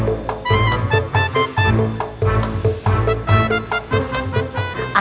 tidak ada yang bisa diantar